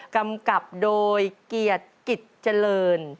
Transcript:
กำกับโดยเกียรติกิจเจริญ